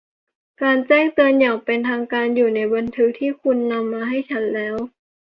การแจ้งเตือนอย่างเป็นทางการอยู่ในบันทึกที่คุณนำมาให้ฉันแล้ว